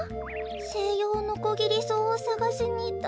セイヨウノコギリソウをさがしにいったけど。